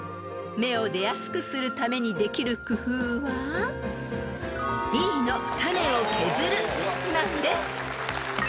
［芽を出やすくするためにできる工夫はＢの種を削るなんです］